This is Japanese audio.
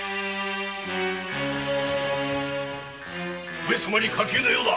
上様に火急の用だ。